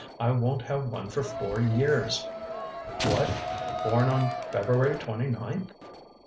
"I won't have one for four years!" "What? Born on February twenty ninth?"